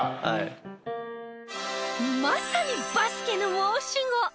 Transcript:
まさにバスケの申し子！